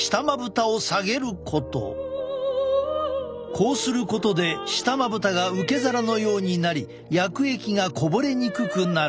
こうすることで下まぶたが受け皿のようになり薬液がこぼれにくくなる。